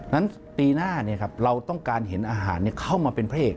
นั้นปีหน้าเราต้องการเห็นอาหารเข้ามาเป็นพระเอก